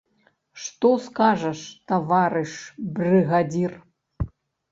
Што скажаш, таварыш брыгадзір?